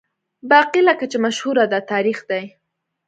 باقي لکه چې مشهوره ده، تاریخ دی.